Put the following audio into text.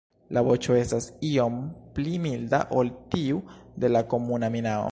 La voĉo estas iom pli milda ol tiu de la Komuna minao.